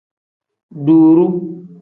Duuru.